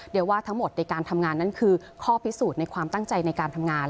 เดี๋ยวว่าทั้งหมดในการทำงานนั้นคือข้อพิสูจน์ในความตั้งใจในการทำงาน